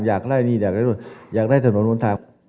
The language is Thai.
อยากไล่นี่อยากได้นู่นอยากได้ถนนนู้นทาง